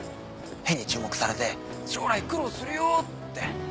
変に注目されて将来苦労するよって。